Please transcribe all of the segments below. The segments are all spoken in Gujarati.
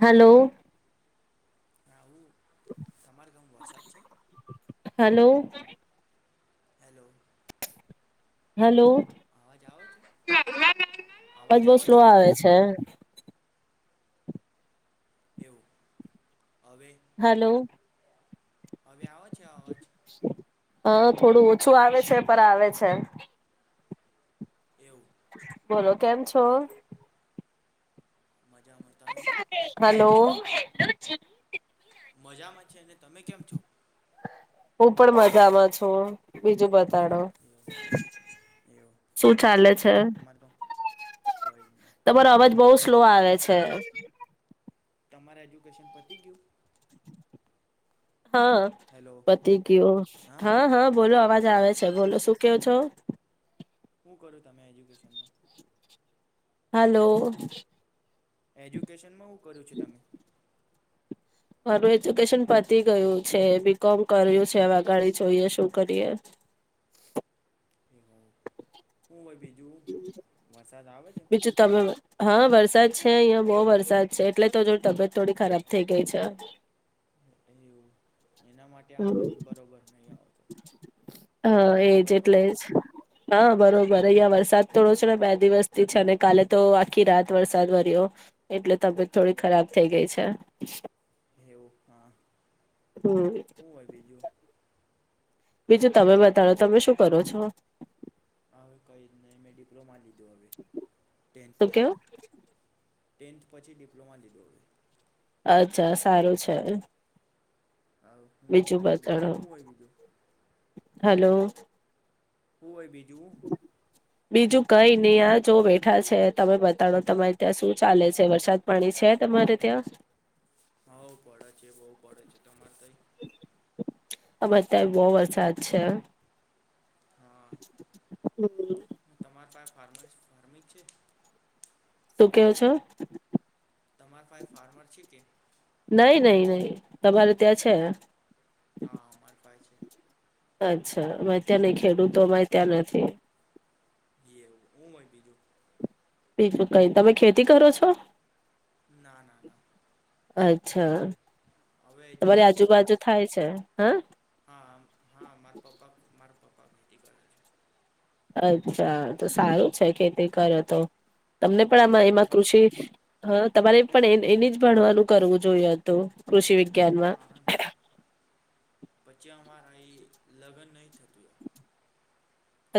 હલો. [inaudible] તમાર ગામ વરસાદ છે? Hello hello. હલો. અવાજ આવે છે બસ બહ સ્લો આવે છે. એવું. હવે હલો. હવે આવ છે અવાજ? હ થોડું ઓછું આવે છે પર આવે છે. એવું બોલો કેમ છો? મજા હલો. મજામાં છે અને તમે કેમ છો? હું પણ મજામાં છું બીજું બધું એવું એવું શું કંઈને ચાલે તમે છે? કહો તમારે કહો કંઈ જ નહીં તમારો અવાજ બહ તમારે સ્લો આવે છે. તમારા એજ્યુકેશન પતી ગયું? હા હેલો પતિ ગયો હા હા બોલો અવાજ હું આવે છે બોલો શું કેવો છો? હું કરું તમે એજ્યુકેશનમાં? હલો. એજ્યુકેશનમાં કર્યું છે તમે? માર એજ્યુકેશન પતી ગયું છે બીકોમ કર્યું છે આગાડી જોઈએ શું કરીએ. એ હ હું ભ બીન [unintelligible] બીજું તમે હા વરસાદ છે અહિયાં બહુ વરસાદ છે એટલે તો જો તબિયત થોડી ખરાબ થઇ ગઈ છે. એવું એના માટે અવાજ બરોબર નહીં આવતો હા એવું ને એજ બરોબર એટલે ને જ હા બરોબર, અહિયાં વરસાદ થોડો છે ને દિવસ અને કાલે તો આખી રાત વરસાદ વર્યો એટલે તબિયત થોડી ખરાબ થઈ ગઈ છે. એવું હા. હમ હું હોય બીજું. બીજું તમે બતાડો તમે શું કરો છો? હવે કઈ જ ન મેં ડિપ્લોમા લીધી. શું કેવો? ટેન્થ પછી ડિપ્લોમા લીધો હોય. અચ્છા સારું છે. આહ હું બીજું હું હું હોય બીજું. હેલો. હું હોય બીજું? બીજું કઈ નહીં યાર જો બેઠા છે. તમે બતાડો તમારે ત્યાં શું ચાલે છે, વરસાદ પડે છે તમારે ત્યાં? હઉ પડે છે બઉ પડે છે તમારે તહી? હમારે ત્યાં બહુ વરસાદ છે. હા હમ્મ. [unintelligible] તે છે. તમાર પાસે ફાર્મર છે કે નહી નહી નહી. તમારે ત્યાં છે? હા, હમાર પાએ છે. અચ્છા મેં તને ખેડૂતોમાં ત્યાં નથી. છે એવું હું હોય બીજું? બીજું કઈ તમે ખેતી કરો છો? ના ના ના. અચ્છા. હવે તમારી એજ્યુકેશન આજુબાજુ કરું છું થાય છે હા હા હા મારા પપ્પા મારા પપ્પા કરે છે અચ્છા તો સારું છે ખેતી કરે તો. તમને પણ હા આમાં એમાં તમાર કૃષિ હા તમારે પણ એ એની જ ભણવાનું કરવું જોઈએ હત કૃષિ ગ્યાંનમાં. હા [unintelligible]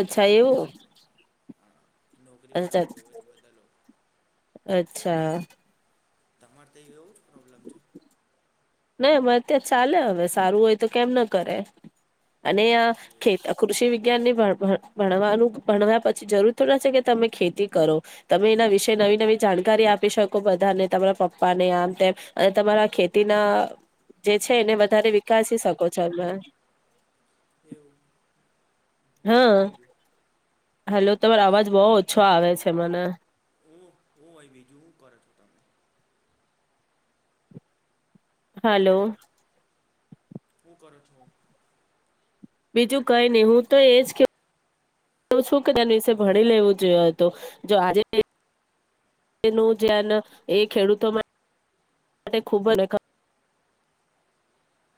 અચ્છા એવું નોકરી વાળા અચ્છા જોઈએ છે, બધા લોકો. અચ્છા. અમારે તો એવું જ પ્રોબ્લેમ છે. હા એવો [unintelligible] જે છે એને વધારે વિકાસી શકો છો હમે. એવું. હું હોય હા. બીજું હેલો તમા અવાજ બહુ ઓછો આવે છે મને. [unintelligible] હાલો. કર છો? બીજું કઈ નહી હું તો ઘર એજ કે હું શું કે તેની વિષય ભણી લેવું જોઈએ એ તો. જો આજે [inaudible] ખેડૂતો માટે ખૂબ [inaudible]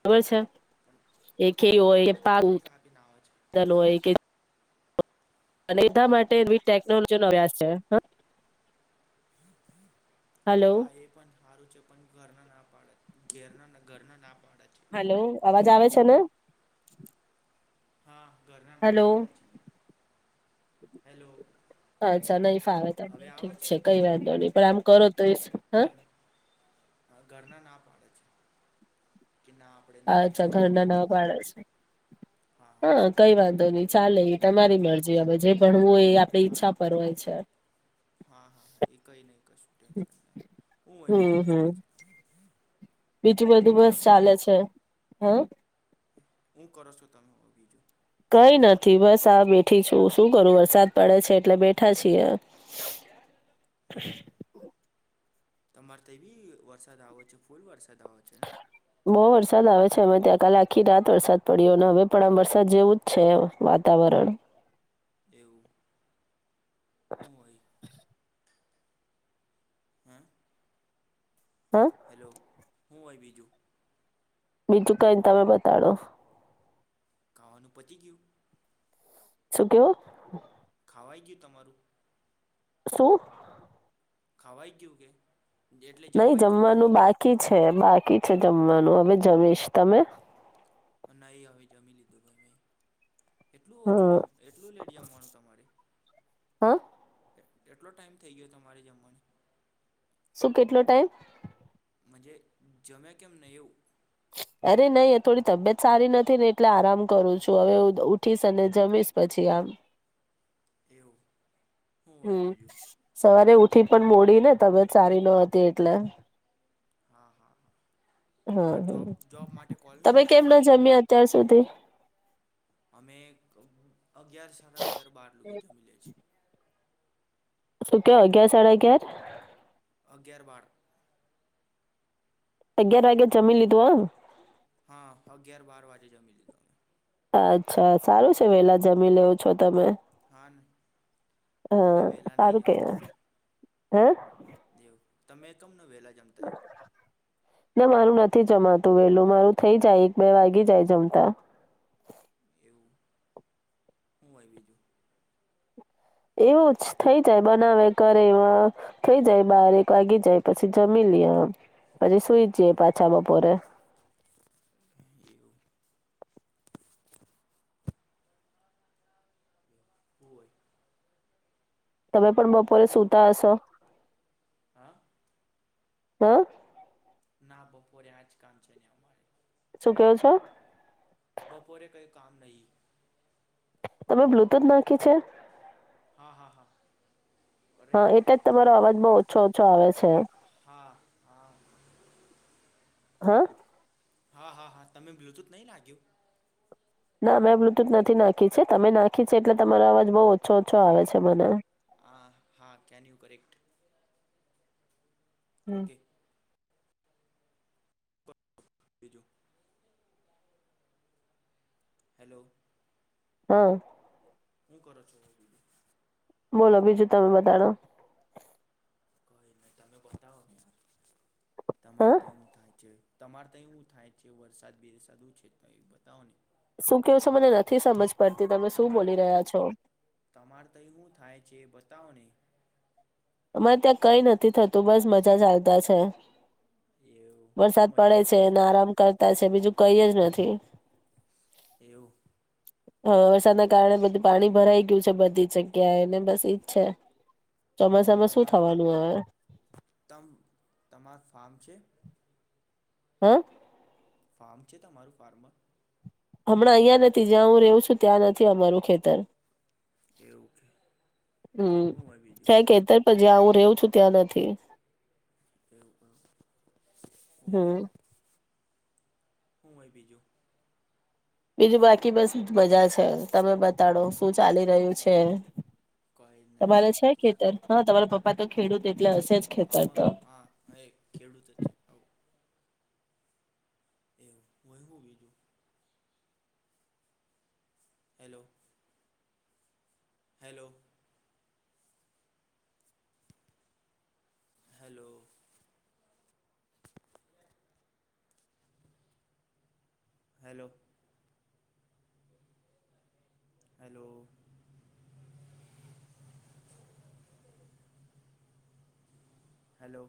ખબર છે? પણ એ ખી હોય તમારા કે અવાજ પા કાપી કાપીને આવે છે હોય કે અને એના માટે એવી વિ ટેકનોલોજી નો અભ્યાસ છે હ. હલો. મારું છે પણ ઘરના ના પાડે ધેરના ઘરના ના પાડે છે હેલો, અવાજ આવે છે ને? હા. ઘરના ના પાડે હલો. છે હેલો અચ્છા નહી ફાવે હવે તને આવે ઠીક છે કઈ વાંધ નો નહી પણ આમ કરે ઘર અહ ઘરના નાપ આપણે નોકરી જ અચ્છા ઘરના કરવાની છે ના પાળ છે. હા કઈ વાંધો હું હોય નઈ બી ચાલે એ તમારી મર જીયા માં જે પણ હોઉ એ આપડે હા ઈચ્છા પર હોય છે. હા હા હા એ કંઈ નહીં કશું ટેન્શન નહીં. હું હમ બીજું કર હમ છે? બીજું બધું બસ ચાલે છે હા. હું કરો છો તમે બીજું? કઈ નથી બસ આ બેઠી છું શું કરું વરસાદ પડે છે એટલે બેઠા છીએ. [inaudible] એવું તમારે તો એ બી વરસાદ આવે છે ફૂલ વરસાદ આવો છે ને બહ વરસાદ આવે ત્યાં કાલે આખી રાત વરસાદ પડ્યો હવે પણ આ વરસાદ જેવું જ છે વાતાવરણ. એવું? હ ભાઈ. હે. હા હેલો. હું હો બીજું. બીજું કઈ તમે બતાડો. કાવાનું પતિ કયું? શું કેવું? ખાવાઈ ગયું તમારું? શું? ખાવાય ગયું કે? એટલે નહી જમવાઈ ગયું કે જમવાનું બાકી જ હે બાકી છે જમવાનું હવે જમીશ તમે? ન હવે જમી લીધું ગ મેં. એટલું હ ઓછું જમ એટલું લેટ જમવાનું તમારે? હા એટલો ટાઈમ થઈ ગયો તમારે જમવાની? શું કેટલો ટાઈમ? મજે જમ્યા કેમ નહી એવું? અરે નહી થોડી તબિયત સારી નથી ને એટલે આરામ કરું છું હવે ઉઠીશ અને જમીશ પછી આમ. એવું. હું હોય હમ બીજું સવારે ઉઠ થી પણ મોડી ને તબિયત સારી ન હતી એટલે. હા હા હા હમ તમારે જોબ હમ જોબ માટે કોલ તમે નહીં કેમ આવ્યો ના જમ્યા અત્યાર સુધી? અમે અગિયાર સાડા અગિયાર બાર લોકોગી જમી લે છે. શું ક અગિયાર સાડા અગિયાર? અગિયાર બાર અગિયાર વાગ્યે જમીન લીધું એમ? હા અગિયાર બાર વાગે જમી લી ગયો અમે. અચ્છા સારું છે વેલા જમી લેવું છો તમે. હા અમે વેલા નહી જમતા યાર. હમ? દેવ તમે તુમ નું વેલા જમતાયું ના મારું નથી જમાતું વેલું મારું થઈ જાય એક બે વાગી જાય જમતા. એવું. હું હોય બીજું? એવું જ થઈ જાય બનાવે કરેવ થઈ જાય બારેક વાગી જાય પછી જમી લે આમ પછી સુઈ જ જઈએ એવું પાછા બપોરે. એવું હું હોય? તમે તમે બપોરે હું સુતા હસો? હા હૈ? ના બપોરે આજ કામ છે ને અમારે. શું કો છો? બપોરે કઈ કામ નહી. તમે બ્લુટૂથ નાખી છે? હા હા હા. અરે હા, એટલે જ તમારો અવાજ બઉ ઓછો ઓછો આવે છે. હા હા હ? હા હા હા તમે બ્લુટુથ નહી નાગીયું? ના મેં બ્લુટૂથ નથી નાખી છે. તમે નાખી છે એટલે તમારો અવાજ બહુ ઓછો ઓછો આવે છે મને. આ હા કેન યુ કરેક્ટ હમ્મ. ઓકે પ બીજું હેલો. હમ્મ. હું કરો છો? બોલો બીજું તમે બતાડો. તમે બતાવો? હા તમારે તા હું થાય છે? તમારે તઈ હું થાય છે વરસાદ બેરસાદ હું છે તો એ બતાવો ને. શું કેવું છે મને નથી સમજ પડતી તમે શું તમાર બોલી રહ્યા છો? તમારે તય હું થાય છે એ બતાવો ને અમારે ત્યાં કઈ નથી થતું બસ મજા ચાલતા છે. એવું હું વરસાદ પડે મજા છે આવે અને આરામ કરતા જ તો બીજું કઈ જ નથી. એવું? હ વરસાદના કારણે બધું પાણી ભરાઈ ગયું છે બધી જગ્યાને બસ ઈજ છે. એવું ચોમાસામાં શું તમાર ફા, થવાનું હવે તમ, તમાર ફાર્મ છે? હ? ફાર્મ છે તમારું ફાર્મ? હમણાં અહિયાં નથી જ્યાં હું રેહુ છું ત્યાં નથી અમારું ખેતર. એવું કે હમ્મ હું હોય છે બીજું ખેતર પછ જા હું રેહુ છું ત્યાં નથી. એવું હમ બોલ બીજું બીજું બાકી બસ મજા છે. તમે બતાડો શું ચાલી રહ્યું છે? કઈ જ નહીં તમારે છે ખેતર? હા તમારા પપ્પા તો ખેડૂત એ ફામ હા ખેડૂત જ છે આવું એવું હું શું બીજું hello. Hello. Hello. Hello. Hello. Hello.